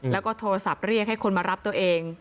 แล้วก็โทรศัพท์เรียกให้คนมารับตัวเอง